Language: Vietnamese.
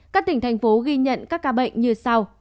các tỉnh thành phố ghi nhận các ca bệnh như sau